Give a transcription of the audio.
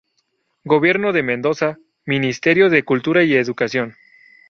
Gobierno de Mendoza, Ministerio de Cultura y Educación.